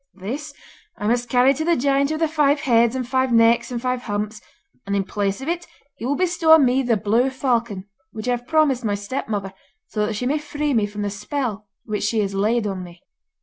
This I must carry to the giant of the Five Heads and Five Necks and Five Humps, and, in place of it, he will bestow on me the blue falcon, which I have promised my stepmother, so that she may free me from the spell which she has laid on me.